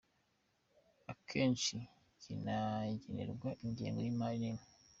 Akenshi kinagenerwa ingengo y’ imari nini.